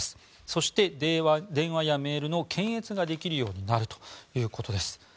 そして、電話やメールの検閲ができるようになるということです。